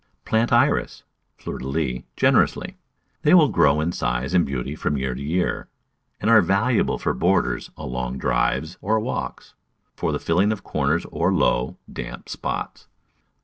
Plant Iris (Fleur de lis) generously. They will grow in size and beauty from year to year, and are valuable for borders along drives or walks, for the filling of corners or low, damp spots.